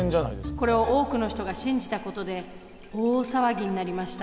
これを多くの人が信じたことで大騒ぎになりました。